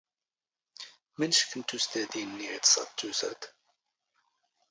ⵎⵏⵛⴽ ⵏ ⵜⵓⵙⴷⴰⴷⵉⵏ ⵏ ⵢⵉⴹⵚ ⴰⴷ ⵜⵓⵙⵔⴷ?